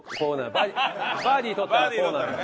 バーディー取ったらこうなのよ。